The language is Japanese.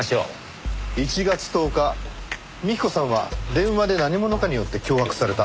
１月１０日幹子さんは電話で何者かによって脅迫された。